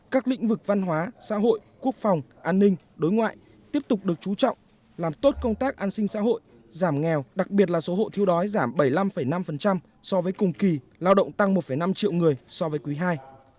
các lĩnh vực văn hóa xã hội quốc phòng an ninh đối ngoại tiếp tục được trú trọng làm tốt công tác an sinh xã hội giảm nghèo đặc biệt là số hộ thiêu đói giảm bảy mươi năm năm so với cùng kỳ lao động tăng một năm triệu người so với quý ii